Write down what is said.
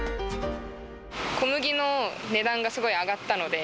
小麦の値段がすごい上がったので。